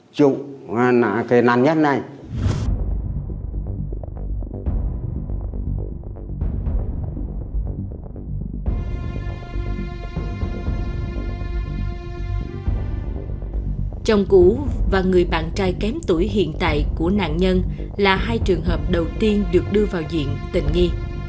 chồng cũ và người bạn trai kém tuổi hiện tại của nạn nhân là hai trường hợp đầu tiên được đưa vào diện tình nghi